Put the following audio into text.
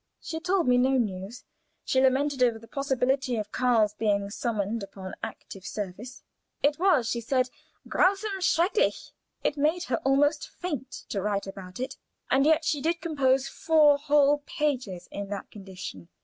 She told me no news; she lamented over the possibility of Karl's being summoned upon active service. It was, she said, grausam, schrecklich! It made her almost faint to write about it, and yet she did compose four whole pages in that condition.